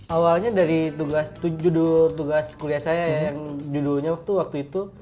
awalnya dari tugas kuliah saya yang judulnya waktu itu